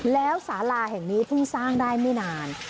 แล้วสาลาแห่งนี้เพิ่งสร้างได้ไม่นาน